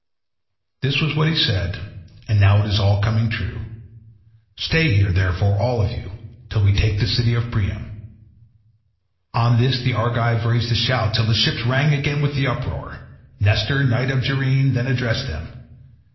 This was what he said, and now it is all coming true. Stay here, therefore, all of you, till we take the city of Priam." On this the Argives raised a shout, till the ships rang again with the uproar. Nestor, knight of Gerene, then addressed them.